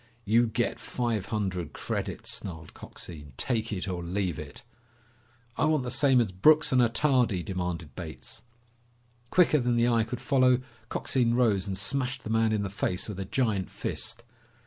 "You get five hundred credits," snarled Coxine. "Take it or leave it!" "I want the same as Brooks and Attardi," demanded Bates. Quicker than the eye could follow, Coxine rose and smashed the man in the face with a giant fist.